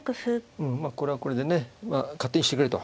うんまあこれはこれでね勝手にしてくれと。